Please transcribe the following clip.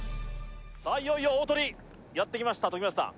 いよいよ大トリ、やってきました、時松さん。